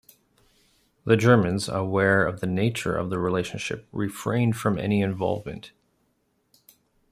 The Germans, aware of the nature of the relationship, refrained from any involvement.